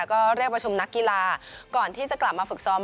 ก็เรียกประชุมนักกีฬาก่อนที่จะกลับมาฝึกซ้อม